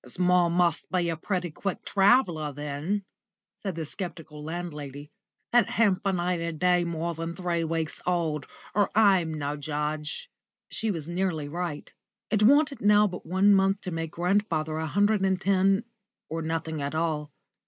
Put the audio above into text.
"Its ma must be a pretty quick traveller then," said the sceptical landlady. "That hinfant ain't a day more than three weeks old, or I'm no judge." She was nearly right. It wanted now but one month to make grandfather a hundred and ten or nothing at all.